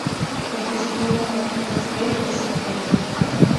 Participó en las batallas de St.